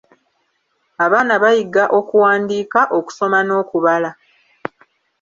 Abaana bayiga okuwandiika, okusoma n'okubala.